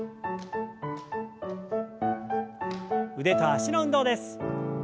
腕と脚の運動です。